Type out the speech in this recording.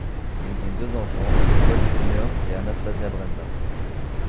Ils ont deux enfants, Paul Junior et Anasthasia Brenda.